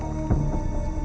aku mengerti perasaanmu